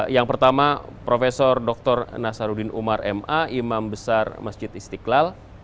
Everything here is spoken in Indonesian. yang pertama prof dr nasaruddin umar ma imam besar masjid istiqlal